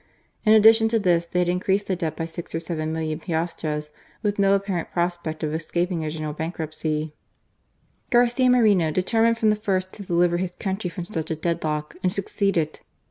In addition to this, they had increased the debt by six or seven million piastres, with no apparent prospect of escaping a general bankruptcy, Garcia Moreno determined from the first to deliver his country from such a dead lock, and succeeded.